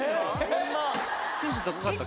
こんなテンション高かった？